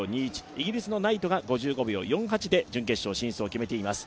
イギリスのナイトが５５秒４８で決勝進出を決めています。